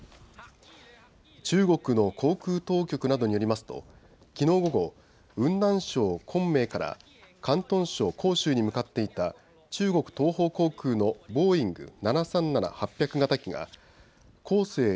中国の航空当局などによりますときのう午後、雲南省昆明から広東省広州に向かっていた中国東方航空のボーイング７３７ー８００型機が広西